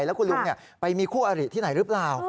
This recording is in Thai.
แล้วคุณลุงไปมีคู่อริที่ไหนหรือเปล่า